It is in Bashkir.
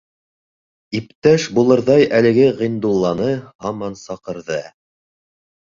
«Иптәш» булырҙай әлеге «Ғиндулла» ны һаман «саҡырҙы».